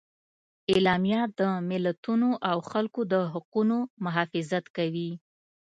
اعلامیه د ملتونو او خلکو د حقونو محافظت کوي.